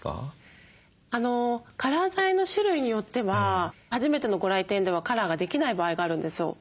カラー剤の種類によっては初めてのご来店ではカラーができない場合があるんですよ。